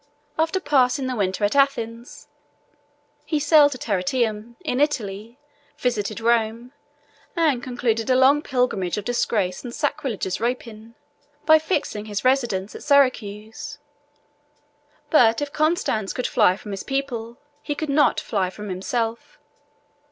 After passing the winter at Athens, he sailed to Tarentum in Italy, visited Rome, 1112 and concluded a long pilgrimage of disgrace and sacrilegious rapine, by fixing his residence at Syracuse. But if Constans could fly from his people, he could not fly from himself.